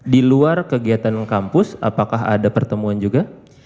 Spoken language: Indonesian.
di luar kegiatan kampus apakah ada pertemuan juga